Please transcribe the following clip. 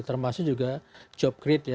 termasuk juga job create